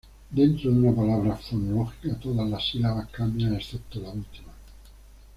Dentro de una palabra fonológica, todas las sílabas cambian excepto la última.